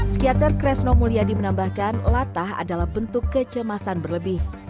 psikiater kresno mulyadi menambahkan latah adalah bentuk kecemasan berlebih